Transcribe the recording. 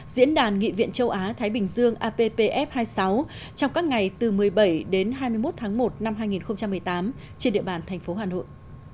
diễn đàn nghị viện châu á thái bình dương appf hai mươi sáu trong các ngày từ một mươi bảy đến hai mươi một tháng một năm hai nghìn một mươi tám trên địa bàn thành phố hà nội